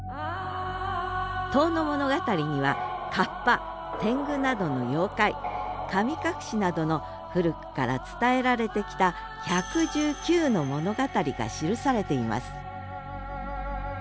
「遠野物語」には河童天狗などの妖怪神隠しなどの古くから伝えられてきた１１９の物語が記されています